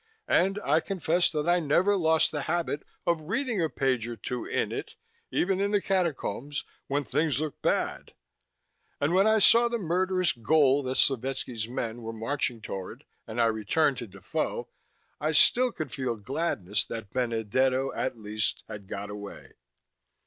And I confess that I never lost the habit of reading a page or two in it, even in the Catacombs, when things looked bad. And when I saw the murderous goal that Slovetski's men were marching toward, and I returned to Defoe, I still could feel glad that Benedetto, at least, had got away.